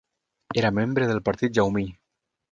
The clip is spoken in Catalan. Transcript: Era membre del partit jaumí.